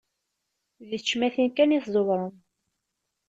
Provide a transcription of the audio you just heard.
Di tecmatin kan i tẓewrem.